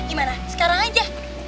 gimana sekarang aja